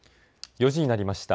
４時になりました。